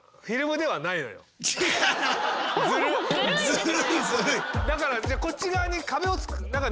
ずるいずるい。